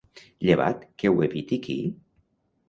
Llevat que ho eviti qui?